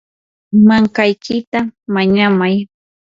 mankaykita mañamay.